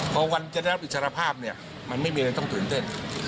พอวันจะได้รับอิสรภาพเนี่ยมันไม่มีอะไรต้องตื่นเต้น